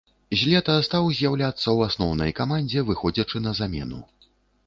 З лета стаў з'яўляцца ў асноўнай камандзе, выходзячы на замену.